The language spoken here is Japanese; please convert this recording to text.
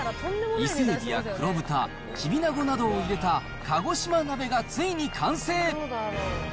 伊勢エビや黒豚、きびなごなどを入れた鹿児島鍋がついに完成。